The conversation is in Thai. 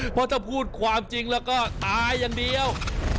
เพราะถ้าพูดความจริงแล้วก็ตายอย่างเดียว